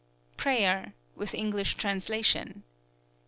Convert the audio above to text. (Prayer with English translation.)